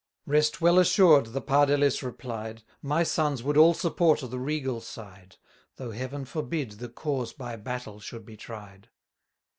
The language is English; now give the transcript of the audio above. Rest well assured, the Pardelis replied, My sons would all support the regal side, Though Heaven forbid the cause by battle should be tried.